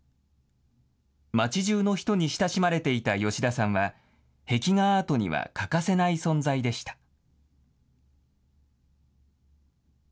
町じゅうの人に親しまれていた吉田さんは、壁画アートには欠かせない存在でした。